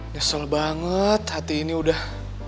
nyesel banget hati ini udah